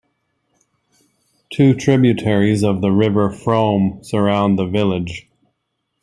Two tributaries of the River Frome surround the village.